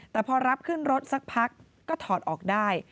แต่พอรับขึ้นรถสักพักก็ถอดออกได้